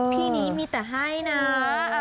พี่นี้มีแต่ให้นะ